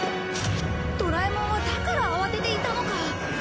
ドラえもんはだから慌てていたのか。